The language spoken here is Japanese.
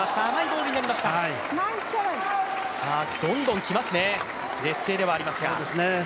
どんどんきますね、劣勢ではありますが。